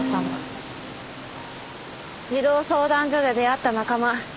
児童相談所で出会った仲間。